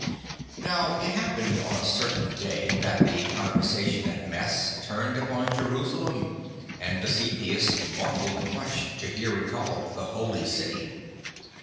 Now it happened on a certain day that the conversation at mess turned upon Jerusalem, and Dositheus marvelled much to hear it called the Holy City.